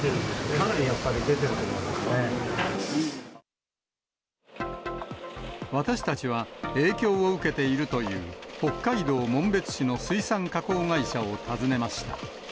かなりやっぱり出てると思い私たちは、影響を受けているという北海道紋別市の水産加工会社を訪ねました。